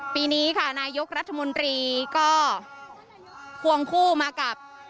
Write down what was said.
ปีนี้ค่ะนายกรัฐมนตรีก็ควงคู่มากับ